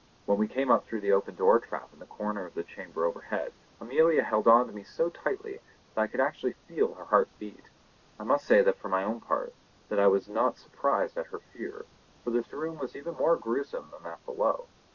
When we came up through the open trap in the corner of the chamber overhead, Amelia held on to me so tightly that I could actually feel her heart beat. I must say for my own part that I was not surprised at her fear, for this room was even more gruesome than that below.